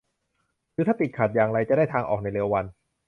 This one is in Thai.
หรือถ้าติดขัดอย่างไรจะได้ทางออกในเร็ววัน